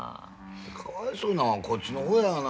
かわいそうなんはこっちの方やがな。